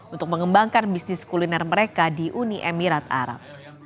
untuk mengembangkan bisnis kuliner mereka di uni emirat arab